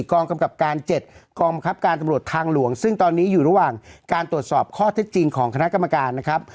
กองกำกับการ๗กองบังคับการตำรวจทางหลวงซึ่งตอนนี้อยู่ระหว่างการตรวจสอบข้อเท็จจริงของคณะกรรมการนะครับ